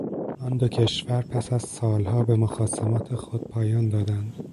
آن دو کشور پس از سالها به مخاصمات خود پایان دادند